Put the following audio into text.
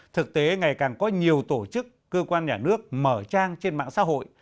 thực tế ngày càng có nhiều tổ chức cơ quan nhà nước mở trang trên mạng xã hội